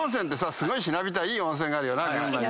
すごいひなびたいい温泉があるよな。